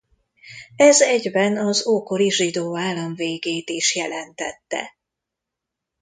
Ez egyben az ókori zsidó állam végét is jelentette.